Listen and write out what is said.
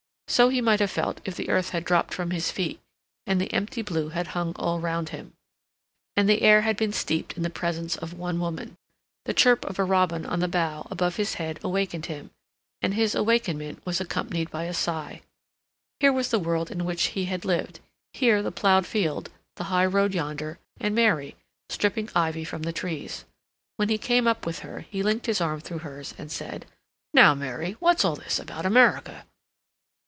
So he might have felt if the earth had dropped from his feet, and the empty blue had hung all round him, and the air had been steeped in the presence of one woman. The chirp of a robin on the bough above his head awakened him, and his awakenment was accompanied by a sigh. Here was the world in which he had lived; here the plowed field, the high road yonder, and Mary, stripping ivy from the trees. When he came up with her he linked his arm through hers and said: "Now, Mary, what's all this about America?"